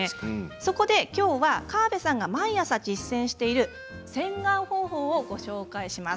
そこできょうは川邉さんが毎朝実践してらっしゃる洗顔方法をご紹介します。